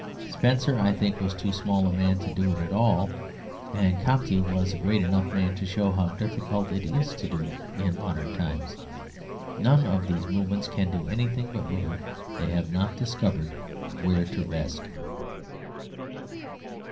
Spencer, I think, was too small a man to do it at all; and Comte was a great enough man to show how difficult it is to do it in modern times. None of these movements can do anything but move; they have not discovered where to rest.